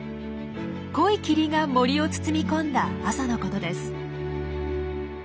濃い霧が森を包み込んだ朝のことです。